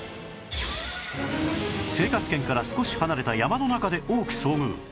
生活圏から少し離れた山の中で多く遭遇